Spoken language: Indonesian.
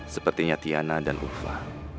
sepertinya tiana dan ulfa